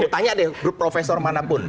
tanya deh berupasar profesor manapun